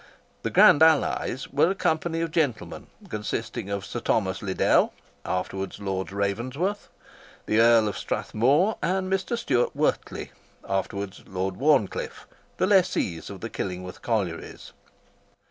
The "Grand Allies" were a company of gentlemen, consisting of Sir Thomas Liddell (afterwards Lord Ravensworth), the Earl of Strathmore, and Mr. Stuart Wortley (afterwards Lord Wharncliffe), the lessees of the Killingworth collieries.